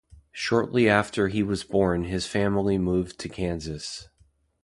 Shortly after he was born his family moved to Kansas.